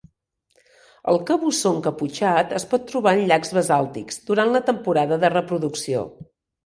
El cabussó encaputxat es pot trobar en llacs basàltics durant la temporada de reproducció.